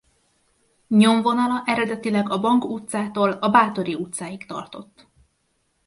Nyomvonala eredetileg a Bank utcától a Báthory utcáig tartott.